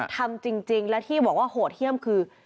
ทำจริงแล้วที่บอกว่าโหดเยี่ยมคือ